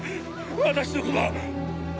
私の子だ！